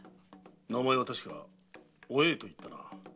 名前はたしか「お栄」といったな？